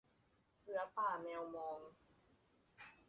เสือป่าแมวมอง